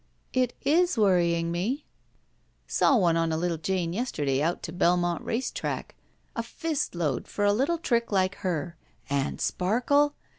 It is worrying me." Saw one on a little Jane yesterday out to Bel mont race track. A fist load for a little trick like her. And sparkle!